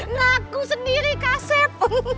ngaku sendiri kasep